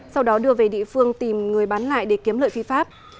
sau đó đưa về địa phương tìm người bán lại để kiếm lợi phi pháp